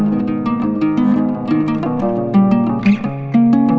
sudah sampai calo